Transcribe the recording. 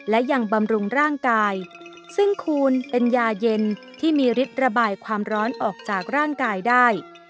และยังบำรุงร่างกายซึ่งคูณเป็นยาเย็นที่มีฤทธิ์ระบายความร้อนออกจากร่างกายได้